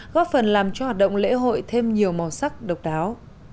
góp phần làm cho hoạt động lễ hội thêm nhiều màu sắc độc đáo